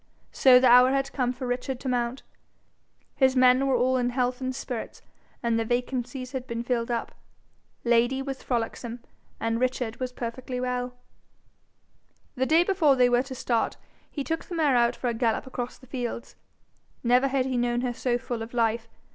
So the hour had come for Richard to mount. His men were all in health and spirits, and their vacancies had been filled up. Lady was frolicsome, and Richard was perfectly well. The day before they were to start he took the mare out for a gallop across the fields. Never had he known her so full of life.